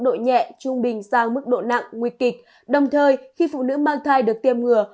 độ nhẹ trung bình sang mức độ nặng nguy kịch đồng thời khi phụ nữ mang thai được tiêm ngừa